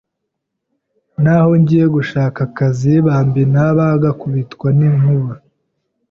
N’aho ngiye gushaka akazi bambina bagakubitwa n’inkuba